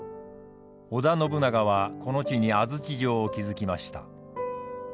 織田信長はこの地に安土城を築きました。